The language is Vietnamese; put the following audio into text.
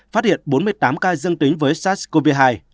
phát hiện bốn mươi tám ca dương tính với sars cov hai